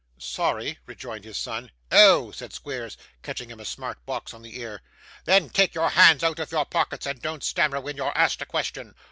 'Sorry,' rejoined his son. 'Oh!' said Squeers, catching him a smart box on the ear. 'Then take your hands out of your pockets, and don't stammer when you're asked a question.